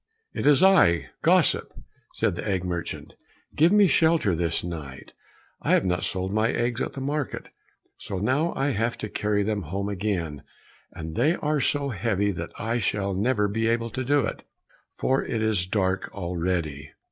"It is I, gossip," said the egg merchant, "give me shelter this night; I have not sold my eggs at the market, so now I have to carry them home again, and they are so heavy that I shall never be able to do it, for it is dark already."